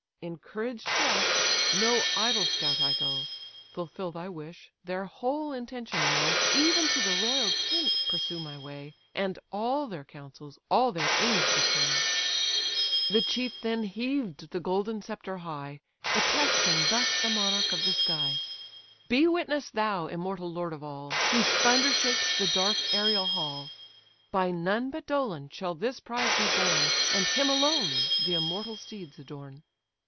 Encouraged thus, no idle scout I go, Fulfil thy wish, their whole intention know, Even to the royal tent pursue my way, And all their counsels, all their aims betray." The chief then heaved the golden sceptre high, Attesting thus the monarch of the sky: "Be witness thou! immortal lord of all! Whose thunder shakes the dark aerial hall: By none but Dolon shall this prize be borne, And him alone the immortal steeds adorn."